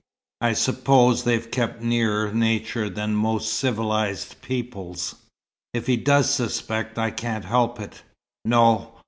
I suppose they've kept nearer nature than more civilized peoples." "If he does suspect, I can't help it." "No.